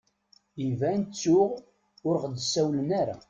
Iban ttuɣ ur ɣ-d-sawlen ara.